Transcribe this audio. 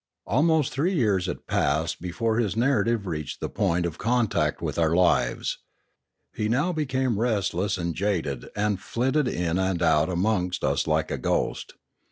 Almost three years had passed before his narrative reached the point of contact with our lives. He now be came restless and jaded and flitted in and out amongst us like a ghost.